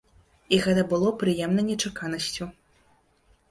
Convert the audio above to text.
І гэта было прыемнай нечаканасцю.